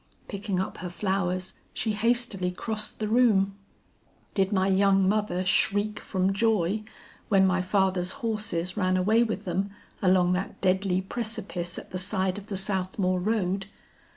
Picking up her flowers, she hastily crossed the room. 'Did my young mother shriek from joy, when my father's horses ran away with them along that deadly precipice at the side of the Southmore road?